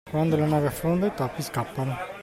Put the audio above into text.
Quando la nave affonda, i topi scappano.